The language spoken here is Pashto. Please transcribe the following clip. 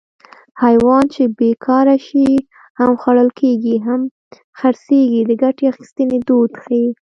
حیوان چې بېکاره شي هم خوړل کېږي هم خرڅېږي د ګټې اخیستنې دود ښيي